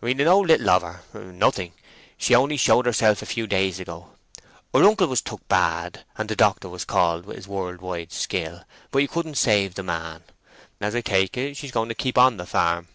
"We d' know little of her—nothing. She only showed herself a few days ago. Her uncle was took bad, and the doctor was called with his world wide skill; but he couldn't save the man. As I take it, she's going to keep on the farm.